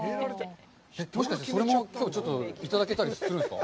もしかして、それも、きょう、いただけたりするんですか？